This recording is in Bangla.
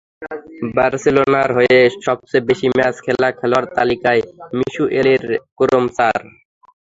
বার্সেলোনার হয়ে সবচেয়ে বেশি ম্যাচ খেলা খেলোয়াড় তালিকায় মিগুয়েলির ক্রম চার।